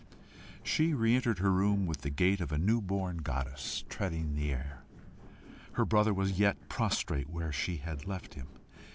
She re entered her room with the gait of a new born goddess treading the air. Her brother was yet prostrate where she had left him.